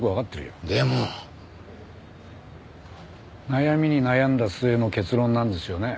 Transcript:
悩みに悩んだ末の結論なんですよね？